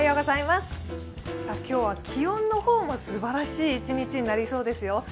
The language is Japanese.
今日は気温の方もすばらしい一日になりそうですよ。